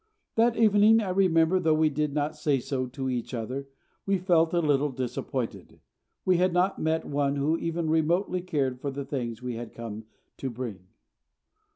That evening I remember, though we did not say so to each other, we felt a little disappointed. We had not met one who even remotely cared for the things we had come to bring.